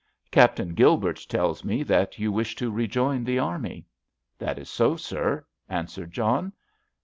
"Captain Gilbert tells me that you wish to rejoin the army?" "That is so, sir," answered John.